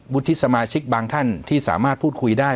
ที่สมาชิกบางท่านที่สามารถพูดคุยได้